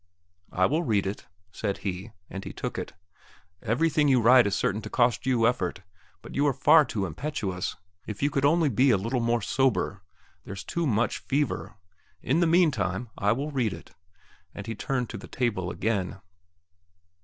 "I will read it," said he, and he took it. "Everything you write is certain to cost you effort, but you are far too impetuous; if you could only be a little more sober. There's too much fever. In the meantime, I will read it," and he turned to the table again.